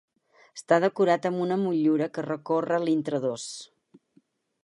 Està decorat amb una motllura que recorre l'intradós.